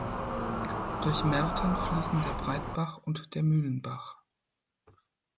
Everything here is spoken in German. Durch Merten fließen der Breitbach und der Mühlenbach.